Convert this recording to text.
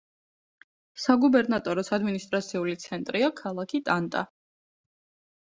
საგუბერნატოროს ადმინისტრაციული ცენტრია ქალაქი ტანტა.